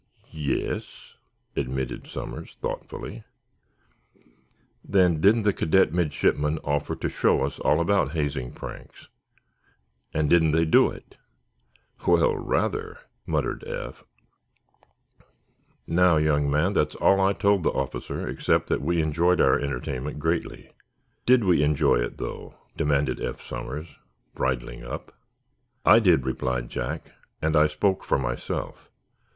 "Ye es," admitted Somers, thoughtfully. "Then, didn't the cadet midshipmen offer to show us all about hazing pranks, and didn't they do it?" "Well, rather," muttered Eph. "Now, young man, that's all I told the officer, except that we enjoyed our entertainment greatly." "Did we enjoy it, though?" demanded Eph Somers, bridling up. "I did," replied Jack, "and I spoke for myself.